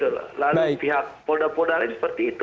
lalu pihak polda polda lain seperti itu